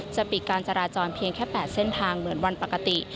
จะปิดการจราจรเพียงแค่๘เส้นทางเหมือนวันปกติ